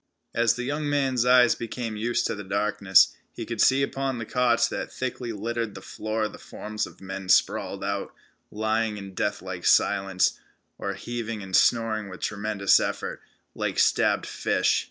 As the young man's eyes became used to the darkness, he could see upon the cots that thickly littered the floor the forms of men sprawled out, lying in deathlike silence, or heaving and snoring with tremendous effort, like stabbed fish.